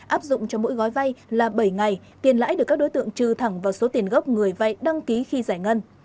áp dụng cho mỗi gói vay là bảy ngày tiền lãi được các đối tượng trừ thẳng vào số tiền gốc người vay đăng ký khi giải ngân